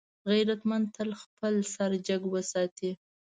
غیرتمند تل خپل سر جګ وساتي